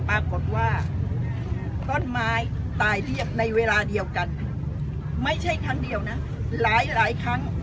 ปรากฏว่าต้นไม้ตายเรียบในเวลาเดียวกันไม่ใช่ครั้งเดียวนะหลายครั้ง